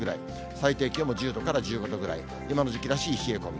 最低気温も１０度から１５度ぐらい、今の時期らしい冷え込み。